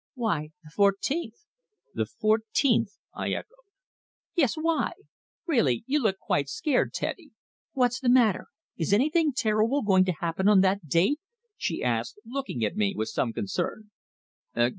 "Why, the fourteenth." "The fourteenth!" I echoed. "Yes, why? Really, you look quite scared, Freddy. What's the matter. Is anything terrible going to happen on that date?" she asked, looking at me with some concern.